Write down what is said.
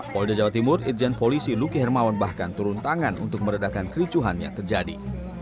polda jawa timur irjen polisi luki hermawan bahkan turun tangan untuk meredakan kericuhan yang terjadi